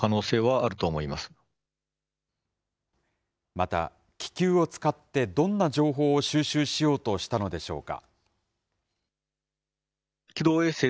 また気球を使ってどんな情報を収集しようとしたのでしょうか。